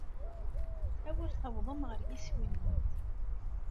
Awer tawḍem ɣer yir iswi-nwen.